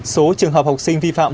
số trường hợp học sinh vi phạm